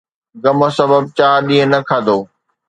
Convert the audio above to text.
غم سبب چار ڏينهن نه کاڌو.